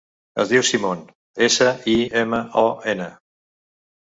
Es diu Simon: essa, i, ema, o, ena.